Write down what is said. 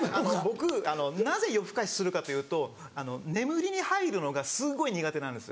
僕なぜ夜更かしするかというと眠りに入るのがすごい苦手なんですよ。